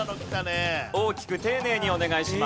大きく丁寧にお願いします。